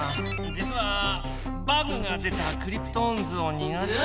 じつはバグが出たクリプトオンズをにがして。